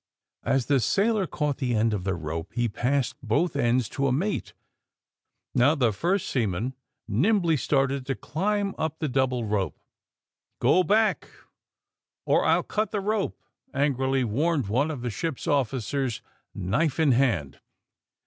As the sailor caught the end of the rope, he passed both ends to a mate. Now the first sea man nimbly started to climb up the double rope. *^Go back, or I'll cut the rope!" angrily warned one of the ship's officers, knife in hand.